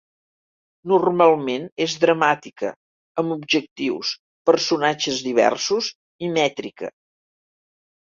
Normalment és dramàtica, amb objectius, personatges diversos i mètrica.